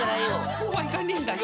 そうはいかねえんだよ。